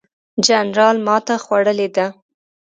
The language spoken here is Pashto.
جنرال ماته خوړلې ده.